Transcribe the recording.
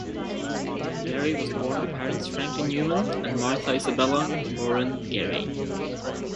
Gary was born to parents Franklin Newman and Martha Isabella (Boren) Gary.